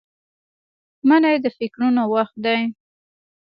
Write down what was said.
منی د فکرونو وخت دی